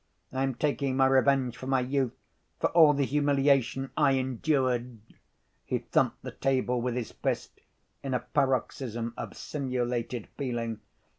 I am taking my revenge for my youth, for all the humiliation I endured." He thumped the table with his fist in a paroxysm of simulated feeling.